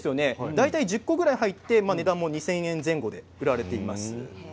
大体１０個くらい入ってオーダー値段２０００円前後で売られています。